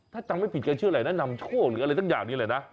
ถ้าจำไม่ผิดแกชื่ออะไรนะนำโชคหรืออะไรสักอย่างนี้เลยนะ